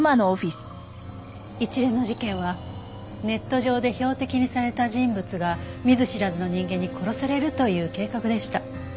一連の事件はネット上で標的にされた人物が見ず知らずの人間に殺されるという計画でした。